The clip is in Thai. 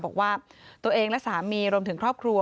บอกว่าตัวเองและสามีรวมถึงครอบครัว